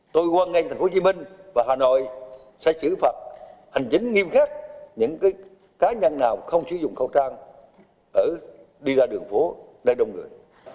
tôi quan ngành thành phố hồ chí minh và hà nội sẽ chữ phật hành chính nghiêm khắc những cái cá nhân nào không sử dụng khẩu trang đi ra đường phố nơi đông người